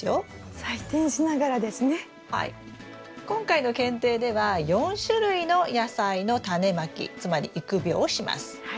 今回の検定では４種類の野菜のタネまきつまり育苗をします。